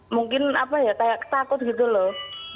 mungkin apa ya kayak takut gitu loh